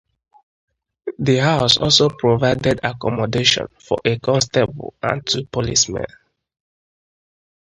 The house also provided accommodation for a constable and two policemen.